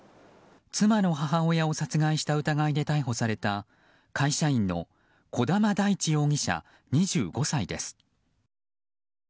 妻の母親を殺害した疑いで逮捕された会社員の児玉大地容疑者、２５歳です。